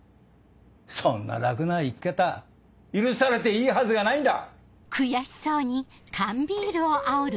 そんな楽な生き方許されていいはずがないんだ！